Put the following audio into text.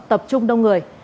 tập trung đông người